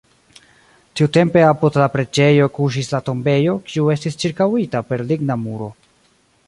Tiutempe apud la preĝejo kuŝis la tombejo, kiu estis ĉirkaŭita per ligna muro.